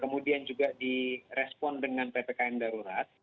kemudian juga direspon dengan ppkm darurat